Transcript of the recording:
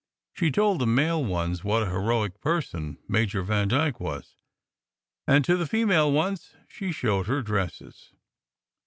She told the male ones what a heroic person Major Vandyke was; and to the female ones she showed her dresses.